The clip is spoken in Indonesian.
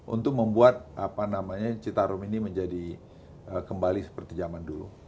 untuk membuat citarum ini menjadi kembali seperti zaman dulu